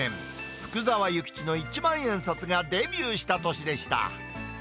福沢諭吉の一万円札がデビューした年でした。